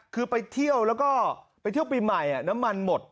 คือไปเที่ยวแล้วก็ไปเที่ยวปีใหม่น้ำมันหมด